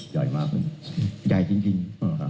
ย่อยมากใหญ่จริง